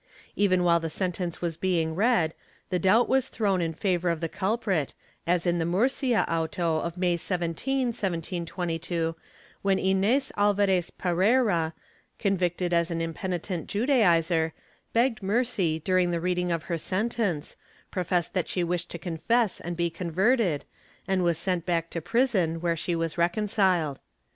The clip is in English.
Even while the sentence was being read, the doubt was thrown in favor of the culprit, as in the Murcia auto of May 17, 1722, when Inez Alvdrez Pereira, convicted as an impeni tent Judaizer, begged mercy during the reading of her sentence, professed that she wished to confess and be converted, and was sent back to prison, where she was reconciled.